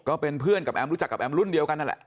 ก็เป็นเพื่อนกับแอมรู้จักกับแอมรุ่นเดียวกันนั่นแหละ